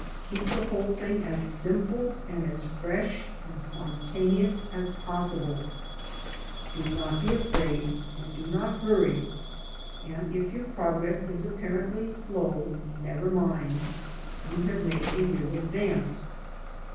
Kee]^thQ.^!?hoLe thing as simple and as fresh and spontaneous as possible . Do not be afraid, and do not hurry; and if your progress is apparently slow, never mind. You have made a real advance.